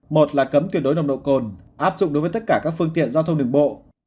một là cấm tuyệt đối nồng độ cồn áp dụng đối với tất cả các phương tiện giao thông đường bộ